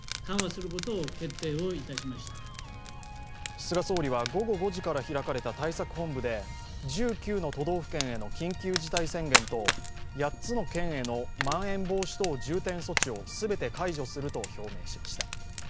菅総理は午後５時から開かれた対策本部で１９の都道府県への緊急事態宣言と８つの県へのまん延防止等重点措置を全て解除すると表明しました。